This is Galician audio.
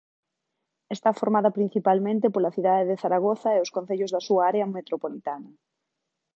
Está formada principalmente pola cidade de Zaragoza e os concellos da súa área metropolitana.